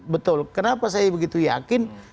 betul kenapa saya begitu yakin